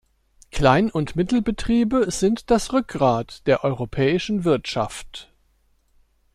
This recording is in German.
Klein- und Mittelbetriebe sind das Rückgrat der europäischen Wirtschaft.